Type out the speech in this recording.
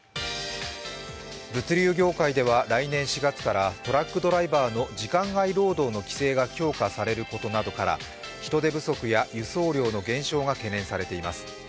物流業界では来年４月からトラックドライバーの時間外労働の規制が強化されることなどから人手不足や輸送量の減少が懸念されています。